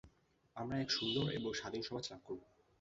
আমরা এক সুন্দর এবং স্বাধীন সমাজ লাভ করব।